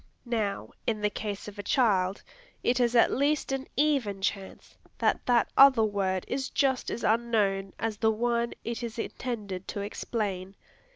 Now, in the case of a child, it is at least an even chance that that other word is just as unknown as the one it is intended to explain.